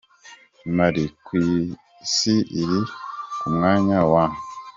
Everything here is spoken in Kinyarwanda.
Mali: ku isi iri ku mwanya wa .